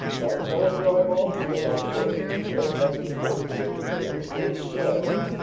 "Time to pull in your eyeballs and get to work again. We're heading back to the spaceport! Take your stations for landing!"